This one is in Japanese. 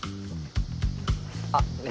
あっねえ